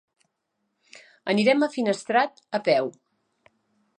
Anirem a Finestrat a peu.